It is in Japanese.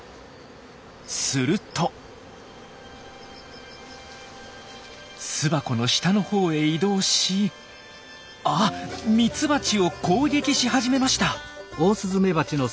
すると巣箱の下のほうへ移動しあっミツバチを攻撃し始めました！